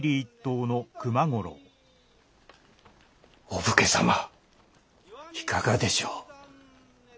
お武家様いかがでしょう。